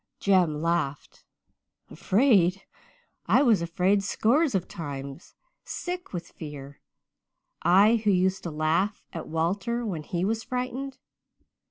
"Jem laughed. "'Afraid! I was afraid scores of times sick with fear I who used to laugh at Walter when he was frightened.